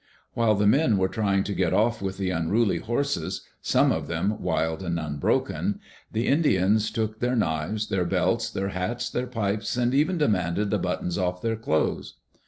While the men were trying to get off with the unruly horses, some of them wild and unbroken, the Indians took their knives, their belts, their hats, their pipes, and even demanded the buttons off their clothes.